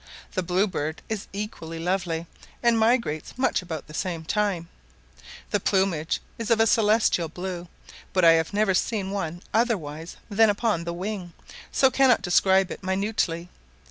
The blue bird is equally lovely, and migrates much about the same time; the plumage is of a celestial blue; but I have never seen one otherwise than upon the wing, so cannot describe it minutely.